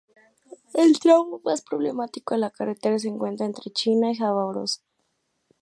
El tramo más problemático de la carretera se encuentra entre Chita y Jabárovsk.